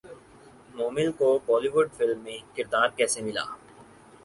مومل کو Bollywood film میں کردار کیسے ملا